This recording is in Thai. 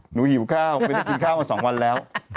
หิวข้าวไม่ได้กินข้าวมา๒วันแล้ว